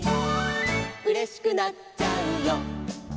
「うれしくなっちゃうよ」